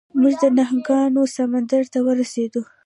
موږ د نهنګانو سمندر ته ورسیدو.